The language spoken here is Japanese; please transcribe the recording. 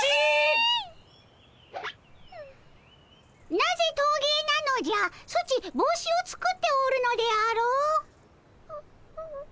なぜトーゲーなのじゃソチ帽子を作っておるのであろう？